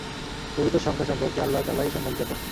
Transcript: প্রকৃত সংখ্যা সম্পর্কে আল্লাহ তাআলাই সম্যক জ্ঞাত।